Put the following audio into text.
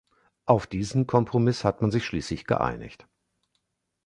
Auf diesen Kompromiss hat man sich schließlich geeinigt.